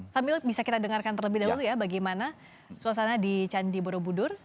sambil bisa kita dengarkan terlebih dahulu ya bagaimana suasana di candi borobudur